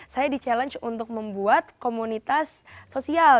saya di challenge untuk membuat komunitas sosial